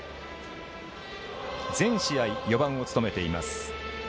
全試合４番を務めています。